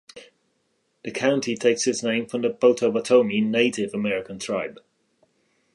The county takes its name from the Potawatomi Native American tribe.